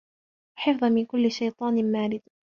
وَحِفْظًا مِنْ كُلِّ شَيْطَانٍ مَارِدٍ